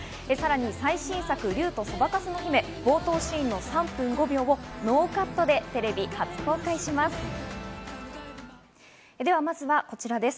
最新作『竜とそばかすの姫』、冒頭シーンの３分５秒をノーカットでテレビ初公開します。